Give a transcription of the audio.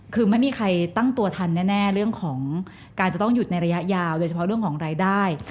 คือไม่มีใครตั้งตัวทันแน่เรื่องของการจะต้องหยุดในระยะยาวโดยเฉพาะเรื่องของรายได้